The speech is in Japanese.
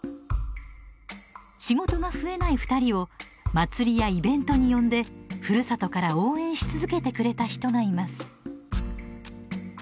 仕事が増えない２人を祭りやイベントに呼んでふるさとから応援し続けてくれた人がいます